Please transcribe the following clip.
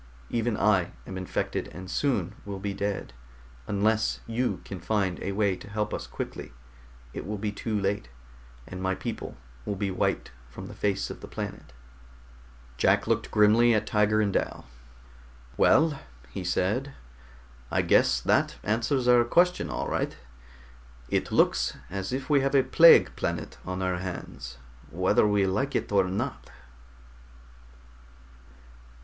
Even I am infected and soon will be dead. Unless you can find a way to help us quickly, it will be too late, and my people will be wiped from the face of the planet." Jack looked grimly at Tiger and Dal. "Well," he said, "I guess that answers our question, all right. It looks as if we have a plague planet on our hands, whether we like it or not."